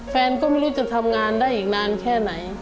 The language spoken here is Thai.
แฟนก็ไม่รู้จะทำงานได้อีกนานแค่ไหน